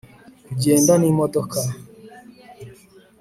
kugenda n' imodoka